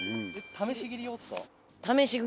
試し切り用です